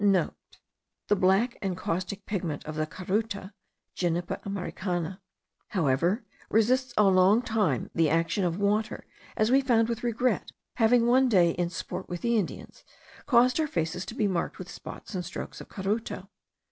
(* The black and caustic pigment of the caruto (Genipa americana) however, resists a long time the action of water, as we found with regret, having one day, in sport with the Indians, caused our faces to be marked with spots and strokes of caruto.